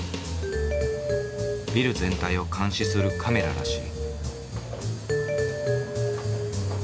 ビル全体を監視するカメラらしい。